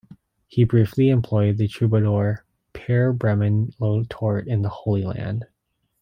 He briefly employed the troubadour Peire Bremon lo Tort in the Holy Land.